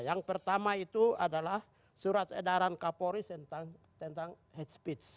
yang pertama itu adalah surat edaran kapolri tentang head speech